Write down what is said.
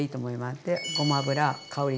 でごま油香り